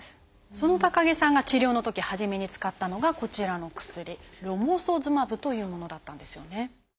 その高木さんが治療のとき初めに使ったのがこちらの薬ロモソズマブというものだったんですよね。